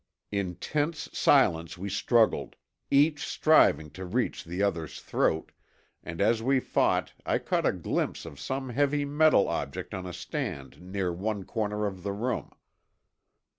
In tense silence we struggled, each striving to reach the other's throat, and as we fought I caught a glimpse of some heavy metal object on a stand near one corner of the room.